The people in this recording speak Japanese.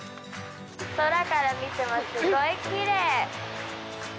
空から見てもすごいきれい。